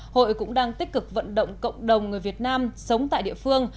hội cũng đang tích cực vận động cộng đồng người việt nam sống tại địa phương